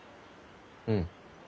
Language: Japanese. うん。